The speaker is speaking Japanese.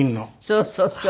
そうそうそう。